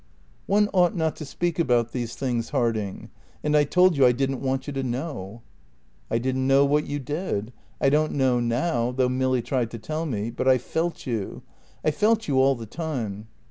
"One ought not to speak about these things, Harding. And I told you I didn't want you to know." "I didn't know what you did. I don't know now, though Milly tried to tell me. But I felt you. I felt you all the time."